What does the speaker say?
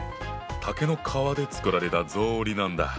竹の皮で作られた草履なんだ。